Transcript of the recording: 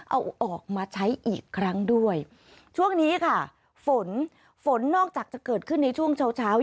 เอาออกมาใช้อีกครั้งด้วยช่วงนี้ค่ะฝนฝนนอกจากจะเกิดขึ้นในช่วงเช้าเช้า